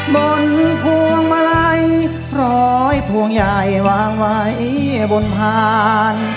พวงมาลัยพร้อยพวงใหญ่วางไว้บนพาน